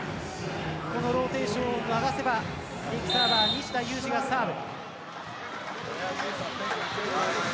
このローテーションを回せば日本は西田有志がサーブ。